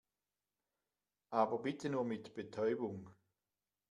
Aber bitte nur mit Betäubung.